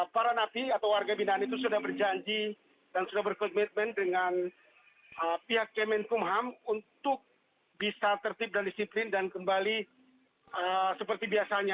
para napi atau warga binaan itu sudah berjanji dan sudah berkomitmen dengan pihak kemenkumham untuk bisa tertib dan disiplin dan kembali seperti biasanya